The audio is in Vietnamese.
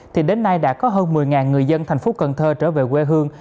thì đến nay đã có hơn một mươi người dân thành phố cần thơ trở về quê hương